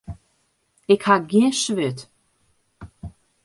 Ik ha gjin swurd.